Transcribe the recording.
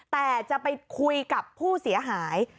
แต่จะไปคุยกับผู้เสียหาย